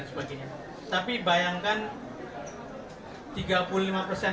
adalah empat belas juta masyarakat